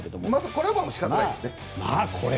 これは仕方ないですね。